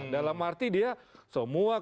dalam arti dia semua